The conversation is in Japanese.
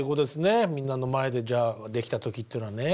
みんなの前でじゃあできた時っていうのはね。